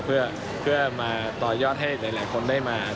เพื่อมาต่อยอดให้หลายคนได้มา